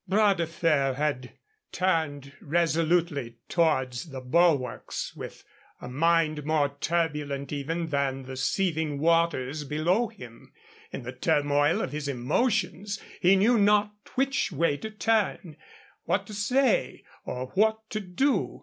Bras de Fer had turned resolutely towards the bulwarks with a mind more turbulent even than the seething waters below him. In the turmoil of his emotions he knew not which way to turn, what to say or what to do.